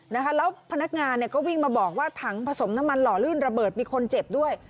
แล้วพนักงานเนี่ยก็วิ่งมาบอกว่าถังผสมน้ำมันหล่อลื่นระเบิดมีคนเจ็บด้วย